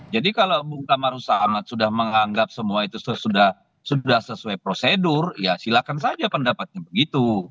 jadi kalau bung tamaruh samad sudah menganggap semua itu sudah sesuai prosedur ya silahkan saja pendapatnya begitu